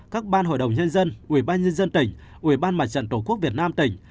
các ban hội đồng nhân dân ubnd tỉnh ubnd tổ quốc việt nam tỉnh